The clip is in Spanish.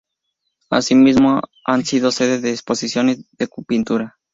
Así mismo ha sido sede de exposiciones de pintura.